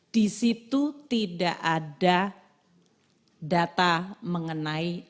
di situ tidak ada data mengenai